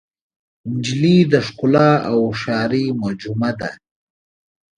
نجلۍ د ښکلا او هوښیارۍ مجموعه ده.